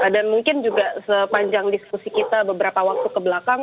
dan mungkin juga sepanjang diskusi kita beberapa waktu kebelakang